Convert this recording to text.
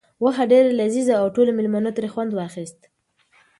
غوښه ډېره لذیذه وه او ټولو مېلمنو ترې خوند واخیست.